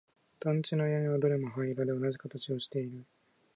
団地の屋根はどれも灰色で同じ形をしている